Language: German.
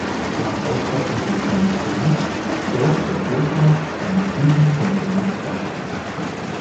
Nach Auffassung der Kommission stellt der Vorschlag einen guten Kompromiss dar.